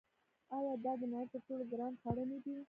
آیا دا د نړۍ تر ټولو ګران خواړه نه دي؟